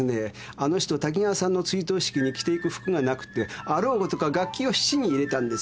あの人滝川さんの追悼式に着ていく服がなくてあろうことか楽器を質に入れたんですよ。